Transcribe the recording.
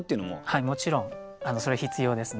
はいもちろんそれは必要ですね。